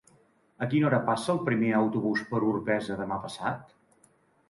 A quina hora passa el primer autobús per Orpesa demà passat?